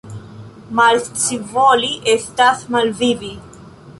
Malscivoli estas malvivi.